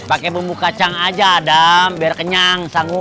pakai bumbu kacang aja adam biar kenyang sanggup